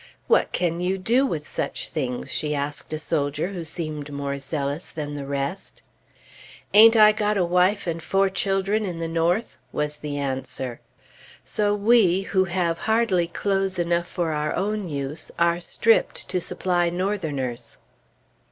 "What can you do with such things?" she asked a soldier who seemed more zealous than the rest. "Ain't I got a wife and four children in the North?" was the answer. So we, who have hardly clothes enough for our own use, are stripped to supply Northerners!